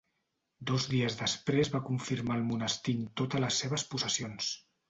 Dos dies després va confirmar al monestir en totes les seves possessions.